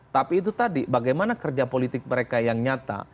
tapi itu tadi bagaimana kerja politik mereka yang nyata